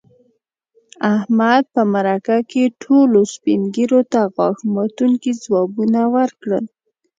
احمد په مرکه کې ټولو سپین ږیرو ته غاښ ماتونکي ځوابوه ورکړل.